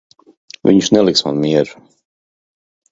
Viņš neliks man mieru.